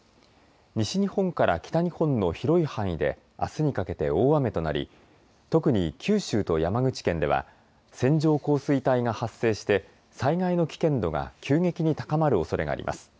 西日本から北日本の広い範囲であすにかけて大雨となり特に九州と山口県では線状降水帯が発生して災害の危険度が急激に高まるおそれがあります。